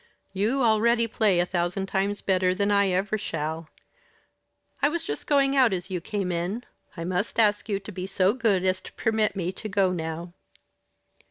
You already play a thousand times better than I ever shall I was just going out as you came in. I must ask you to be so good as to permit me to go now."